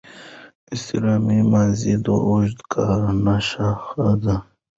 استمراري ماضي د اوږده کار نخښه ده.